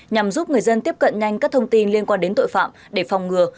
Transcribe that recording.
nhằm giúp người dân tiếp cận nhanh các thông tin liên quan đến tội phạm để phòng ngừa